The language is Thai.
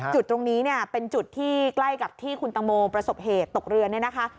จุดตรงนี้เนี่ยเป็นจุดที่ใกล้กับที่คุณตังโมประสบเหตุตกเรือเนี่ยนะคะ